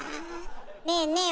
ねえねえ